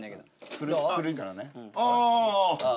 古い古いからね。